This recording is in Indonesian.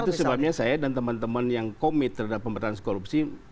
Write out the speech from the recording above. itu sebabnya saya dan teman teman yang komit terhadap pemberantasan korupsi